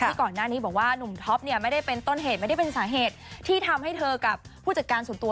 ก่อนหน้านี้บอกว่าหนุ่มท็อปเนี่ยไม่ได้เป็นต้นเหตุไม่ได้เป็นสาเหตุที่ทำให้เธอกับผู้จัดการส่วนตัว